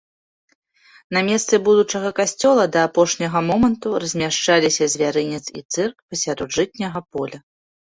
На месцы будучага касцёла да апошняга моманту размяшчаліся звярынец і цырк пасярод жытняга поля.